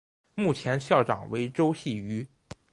目前校长为周戏庚。